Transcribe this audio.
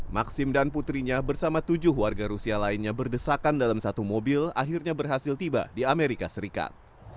maksim dan putrinya bersama tujuh warga rusia lainnya berdesakan dalam satu mobil akhirnya berhasil tiba di amerika serikat